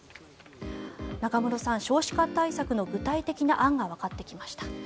中室さん、少子化対策の具体的な案がわかってきました。